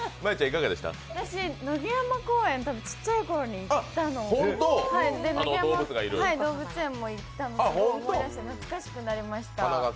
私、野毛山公園、ちっちゃい頃に行ったのを、野毛山動物園も行ったの思い出して、懐かしくなりました。